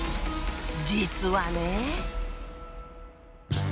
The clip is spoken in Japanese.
実はね。